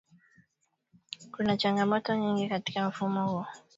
Kuna changamoto nyingi katika mfumo huo